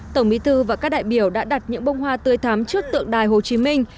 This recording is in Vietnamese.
tổng bí thư và các đại biểu đã đặt những bông hoa tươi thắm trước tượng đài hồ chí minh